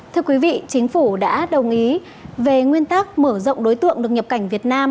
thưa quý vị chính phủ đã đồng ý về nguyên tắc mở rộng đối tượng được nhập cảnh việt nam